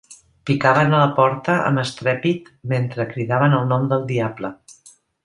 Picaven a la porta amb estrèpit mentre cridaven el nom del diable.